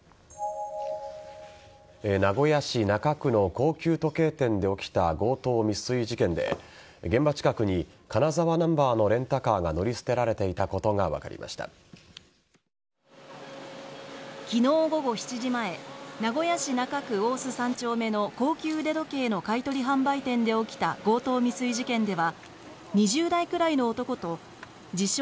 名古屋市中区の高級時計店で起きた強盗未遂事件で現場近くに金沢ナンバーのレンタカーが乗り捨てられていたことが昨日午後７時前名古屋市中区大須３丁目の高級腕時計の買取販売店で起きた強盗未遂事件では２０代くらいの男と自称・